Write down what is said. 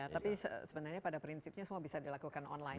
tapi sebenarnya pada prinsipnya semua bisa dilakukan online